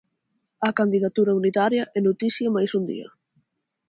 A candidatura unitaria é noticia máis un día.